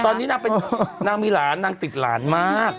ตอนนี้นางเป็นนางมีหลานนางติดหลานมาก